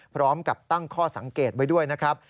พร้อมกับตั้งข้อสังเกตไว้ด้วยนะครับ